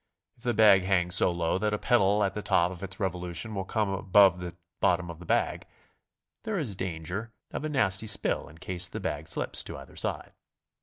If the bag hangs so low that a pedal at the top of its revolu tion will come above the bottom of the bag, there is danger of a nasty spill in case the bag slips to either side.